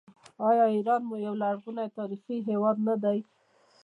آیا ایران یو لرغونی او تاریخي هیواد نه دی؟